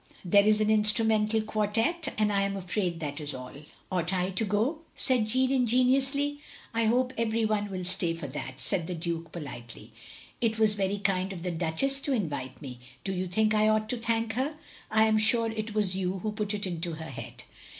"There is an instrumental quartette; and I am afraid that is all." "Ought I to go?" said Jeanne ingenuously. " I hope every one will stay for that, " said the Duke, politely. " It was very kind of the Duchess to invite me; do you think I ought to thank her? I am sure it was you who put it into her head.